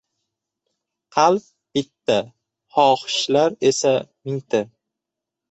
• Qalb bitta, xohishlar esa mingta.